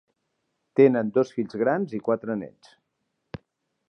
Tenen dos fills grans i quatre néts.